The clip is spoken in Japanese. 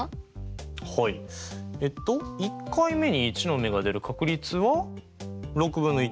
えっと１回目に１の目が出る確率は６分の１。